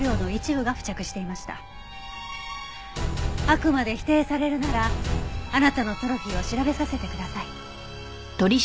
あくまで否定されるならあなたのトロフィーを調べさせてください。